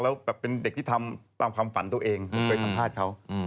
แล้วแบบเป็นเด็กที่ทำตามความฝันตัวเองผมเคยสัมภาษณ์เขา